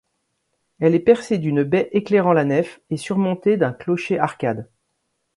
Elle est percée d'une baie éclairant la nef, et surmontée d'un clocher-arcade.